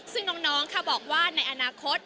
ซึ่งน้องค่ะบอกว่าในอนาคต